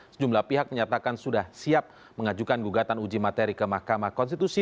sejumlah pihak menyatakan sudah siap mengajukan gugatan uji materi ke mahkamah konstitusi